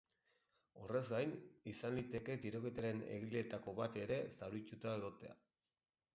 Horrez gain, izan liteke tiroketaren egileetako bat ere zauritua egotea.